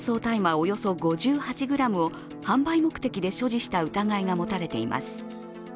およそ５８ｇを販売目的で所持した疑いが持たれています。